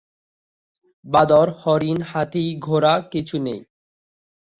বাদর, হরিণ, হাতি ঘোড়া কিছু নেই।